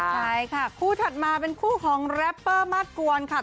ใช่ค่ะคู่ถัดมาเป็นคู่ของแรปเปอร์มาสกวนค่ะ